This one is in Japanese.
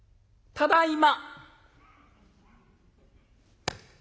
ただいま。